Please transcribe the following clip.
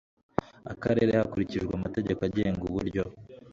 akarere hakurikijwe amategeko agenga uburyo